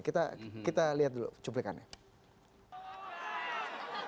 kita lihat dulu cuplikannya